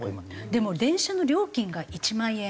でも電車の料金が１万円ぐらい。